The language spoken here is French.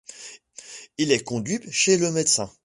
Il est conduit chez le médecin.